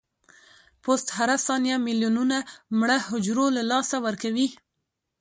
پوست هره ثانیه ملیونونه مړه حجرو له لاسه ورکوي.